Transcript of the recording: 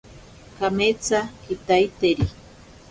Kametsa kitaiteri.